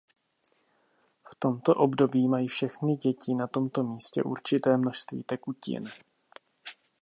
V tomto období mají všechny děti na tomto místě určité množství tekutin.